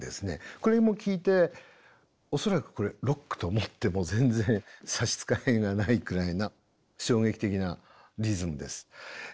これも聴いて恐らくこれロックと思っても全然差し支えがないくらいな衝撃的なリズムです。